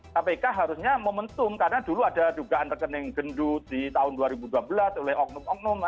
kpk harusnya momentum karena dulu ada dugaan rekening gendut di tahun dua ribu dua belas oleh oknum oknum